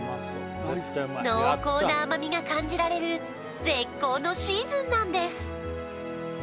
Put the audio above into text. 濃厚な甘みが感じられる絶好のシーズンなんです